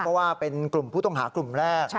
เพราะว่าเป็นกลุ่มผู้ต้องหากลุ่มแรก